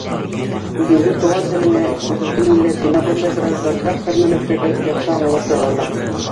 Үҙеңдең туған телеңә, үҙеңдең милләтеңә бындай граждандарса мөнәсәбәт яҡшы аңлашыла ла.